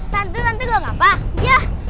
tante tante gak apa apa